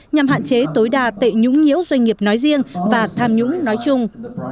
nhằm hạn chế tối đa tệ nhũng nhiễu doanh nghiệp nói riêng và tham nhũng nói chung